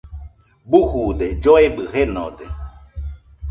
Bujude, lloebɨ jenode